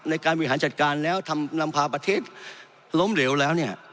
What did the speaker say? ในการบริหารจัดการแล้วทำนำพาประเทศล้มเหลวแล้วเนี่ย